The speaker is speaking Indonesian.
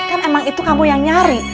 kan emang itu kamu yang nyari